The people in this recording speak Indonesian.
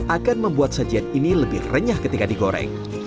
akan membuat sajian ini lebih renyah ketika digoreng